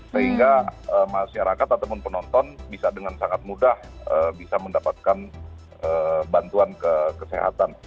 sehingga masyarakat ataupun penonton bisa dengan sangat mudah bisa mendapatkan bantuan kesehatan